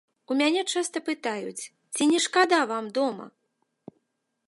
У мяне часта пытаюць, ці не шкада вам дома?